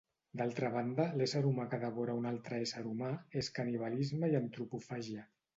D'altra banda, l'ésser humà que devora un altre ésser humà, és canibalisme i antropofàgia.